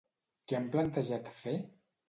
Què han plantejat fer?